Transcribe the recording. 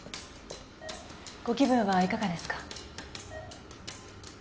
ご気分はいかがですか？